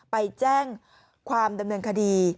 ไปแจ้งความดำเนินคดี